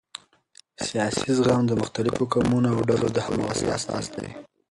سیاسي زغم د مختلفو قومونو او ډلو د همغږۍ اساس دی